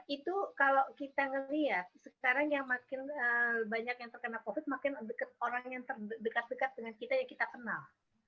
itu kalau kita melihat sekarang yang makin banyak yang terkena covid makin dekat orang yang terdekat dekat dengan kita yang kita kenal